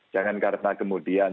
jangan karena kemudian